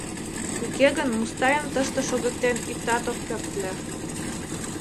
Уке гын Мустайым тыште шогыктен иктат ок керт ыле...